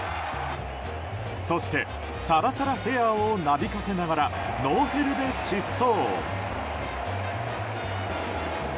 そしてサラサラヘアをなびかせながらノーヘルで疾走。